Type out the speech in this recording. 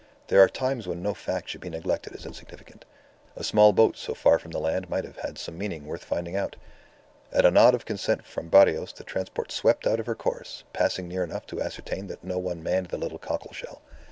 There are times when no fact should be neglected as insignificant; a small boat so far from the land might have had some meaning worth finding out. At a nod of consent from Barrios the transport swept out of her course, passing near enough to ascertain that no one manned the little cockle shell.